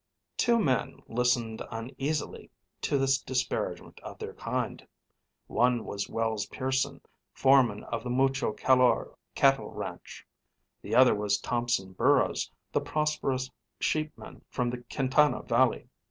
Two men listened uneasily to this disparagement of their kind. One was Wells Pearson, foreman of the Mucho Calor cattle ranch. The other was Thompson Burrows, the prosperous sheepman from the Quintana Valley.